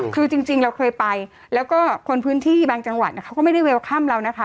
คือจริงเราเคยไปแล้วก็คนพื้นที่บางจังหวัดเขาก็ไม่ได้เวลค่ำเรานะคะ